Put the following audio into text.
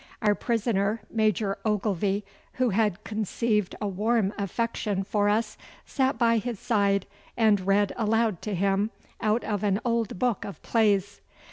Our prisoner, Major Ogilvy, who had conceived a warm affection for us, sat by his side and read aloud to him out of an old book of plays.